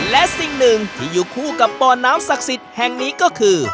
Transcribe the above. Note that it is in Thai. และสิ่งหนึ่งที่อยู่คู่กับบ่อน้ำศักดิ์สิทธิ์แห่งนี้ก็คือ